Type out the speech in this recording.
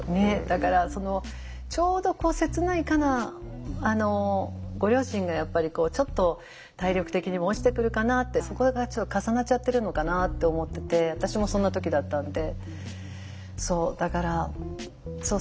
だからそのちょうどこう切ないかなご両親がやっぱりこうちょっと体力的にも落ちてくるかなってそこがちょっと重なっちゃってるのかなって思ってて私もそんな時だったんで。